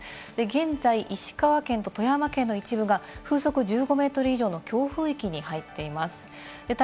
現在、石川県と富山県の一部が風速１５メートル以上の強風域に入っています。